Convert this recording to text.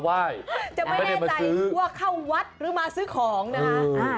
จะไม่แน่ใจว่าเข้าวัดหรือมาซื้อของนะคะ